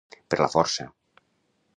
Per la força.